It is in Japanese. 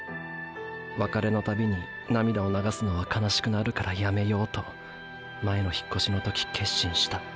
別れのたびに涙を流すのは悲しくなるからやめようと前の引っ越しの時決心した。